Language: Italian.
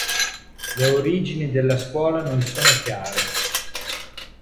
Le origini della scuola non sono chiare.